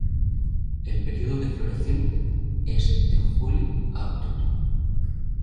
El período de floración es de julio a octubre.